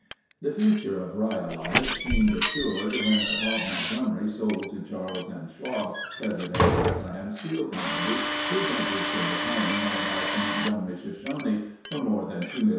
The future of Rhyolite seemed assured when Bob Montgomery sold to Charles M. Schwab, president of Bethlehem Steel Company, his interest in the claim known as the Montgomery Shoshone for more than $2,000,000.